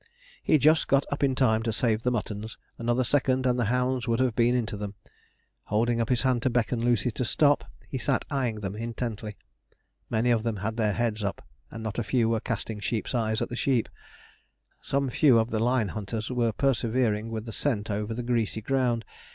He just got up in time to save the muttons; another second and the hounds would have been into them. Holding up his hand to beckon Lucy to stop, he sat eyeing them intently. Many of them had their heads up, and not a few were casting sheep's eyes at the sheep. Some few of the line hunters were persevering with the scent over the greasy ground.